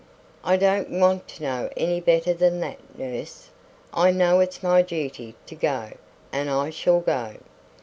"I don't want to know any better than that, nurse. I know it's my duty to go, and I shall go."